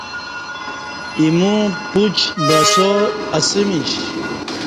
اِیمو پوچ بعسا اسہ میش